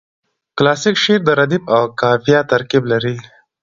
کلاسیک شعر د ردیف او قافیه ترکیب لري.